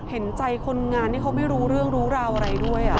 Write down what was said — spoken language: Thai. เห็นใจคนงานที่เขาไม่รู้เรื่องรู้ราวอะไรด้วย